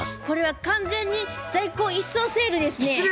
これは完全に在庫一掃セールですね。